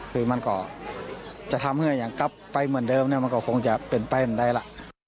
คือมันก็จะทำให้อย่างกลับไปเหมือนเดิมเนี่ยมันก็คงจะเป็นไปบันไดล่ะ